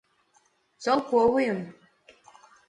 — Цолковыйым!